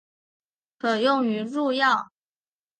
可用于入药。